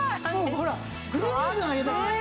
ほらぐんぐん上げたくなる。